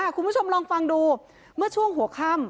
คุณผู้ชมลองฟังดูเมื่อช่วงหัวค่ำ